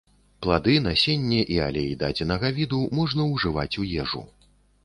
Плады, насенне і алей дадзенага віду можна ўжываць у ежу.